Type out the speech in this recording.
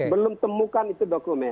belum temukan itu dokumen